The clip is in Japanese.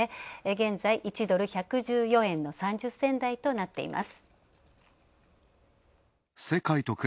現在、１ドル＝１１４円の３０銭台となっています。